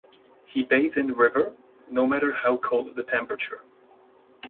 He bathed in the river, no matter how cold the temperature.